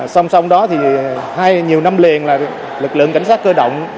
xong xong đó thì hai nhiều năm liền là lực lượng cảnh sát cơ động